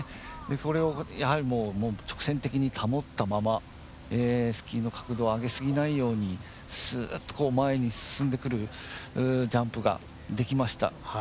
これをやはり直線的に保ったままスキーの角度を上げすぎないようにスーッと前に進んでくるジャンプができました。